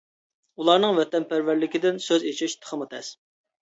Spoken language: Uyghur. ئۇلارنىڭ ۋەتەنپەرۋەرلىكىدىن سۆز ئېچىش تېخىمۇ تەس.